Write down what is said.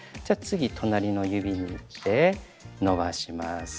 じゃ次隣の指にいって伸ばします。